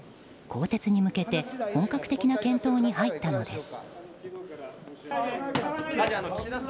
更迭に向けて本格的な検討に入ったのです。